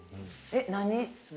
何？